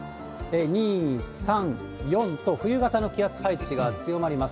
２、３、４と冬型の気圧配置が強まります。